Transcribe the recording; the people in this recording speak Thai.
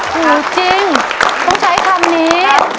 จริงต้องใช้คำนี้